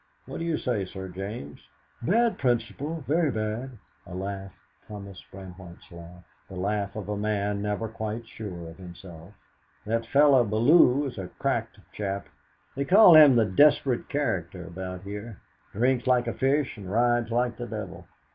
What do you say, Sir James?" "Bad principle very bad!" A laugh Thomas Brandwhite's laugh, the laugh of a man never quite sure of himself. "That fellow Bellew is a cracked chap. They call him the 'desperate character' about here. Drinks like a fish, and rides like the devil.